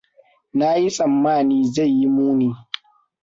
Na yi tsammani zai yi muni.